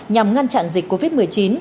nhằm ngăn chặn dịch covid một mươi chín